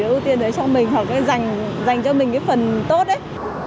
ưu tiên đấy cho mình hoặc dành cho mình cái phần tốt đấy